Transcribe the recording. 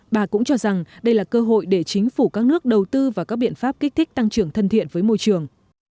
bà cũng cho rằng đây là cơ hội để chính phủ các nước đầu tư vào các biện pháp kích thích tăng trưởng thân thiện với môi trường